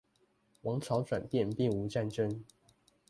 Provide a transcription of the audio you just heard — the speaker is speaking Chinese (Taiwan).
王朝轉變並無戰爭